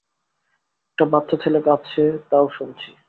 একটা বাচ্চা ছেলে কাঁদছে-তাও শুনছি।